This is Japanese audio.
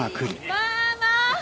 まあまあ！